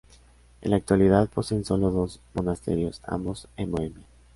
En la actualidad poseen solo dos monasterios, ambos en Bohemia.